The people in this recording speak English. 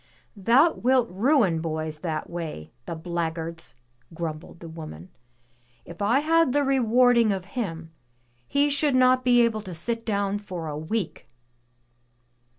"Thou wilt ruin boys that way, the black guards," grumbled the woman. "If I had the rewarding of him, he should not be able to set down for a week!"